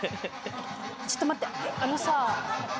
ちょっと待ってあのさ。